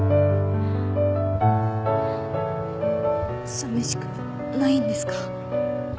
さみしくないんですか？